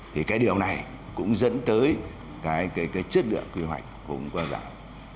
thì cái điều này cũng dẫn tới cái chất lượng quy hoạch cũng quá giảm